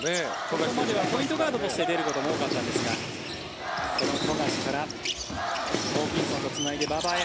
これまではポイントガードとして出ることも多かったんですがその富樫からホーキンソンとつないで馬場へ。